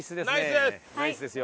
ナイスです！